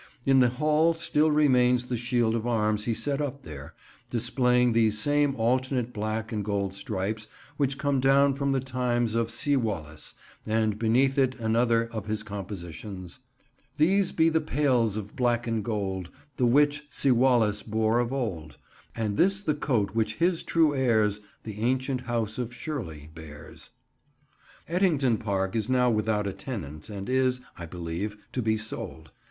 In the hall still remains the shield of arms he set up there, displaying these same alternate black and gold stripes which come down from the times of Sewallis, and beneath it another of his compositions— "These be the pales of black and gold The which Sewallis bore of old; And this the coat which his true heirs The ancient house of Shirley bears." Ettington Park is now without a tenant and is, I believe, to be sold.